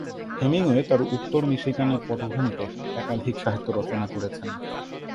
Hemingway তার উত্তর মিশিগানের পটভূমিতে একাধিক সাহিত্য রচনা করেছেন।